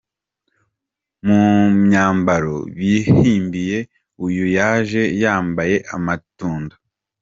Mu myambaro bihimbiye, uyu yaje yambaye amatunda.